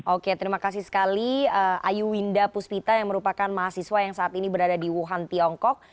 oke terima kasih sekali ayu winda puspita yang merupakan mahasiswa yang saat ini berada di wuhan tiongkok